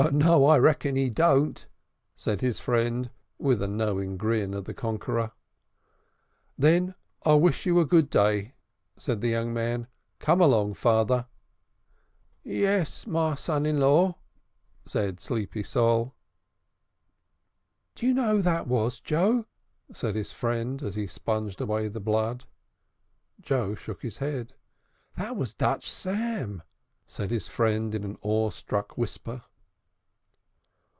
"No, I reckon he don't," said his friend, with a knowing grin at the conqueror. "Then I will wish you a good day," said the young man. "Come along, father." "Yes, ma son in law," said Sleepy Sol. "Do you know who that was, Joe?" said his friend, as he sponged away the blood. Joe shook his head. "That was Dutch Sam," said his friend in an awe struck whisper.